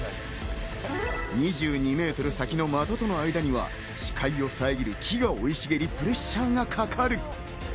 ２２ｍ先の的との間には視界を遮る木が生い茂りプレッシャーがかかる。